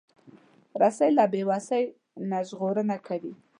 رسۍ له بیوسۍ نه ژغورنه کوي.